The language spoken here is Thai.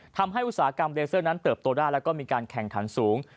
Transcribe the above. อุตสาหกรรมเลเซอร์นั้นเติบโตได้แล้วก็มีการแข่งขันสูง